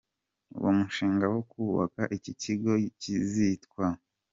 Uwo mushinga wo kubaka iki kigo kizitwa.